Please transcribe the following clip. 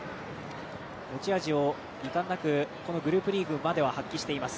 持ち味を遺憾なくグループリーグの場では発揮しています。